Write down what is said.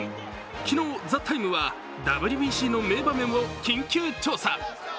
昨日、「ＴＨＥＴＩＭＥ，」はＷＢＣの名場面を緊急調査。